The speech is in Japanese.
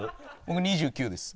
僕２９です。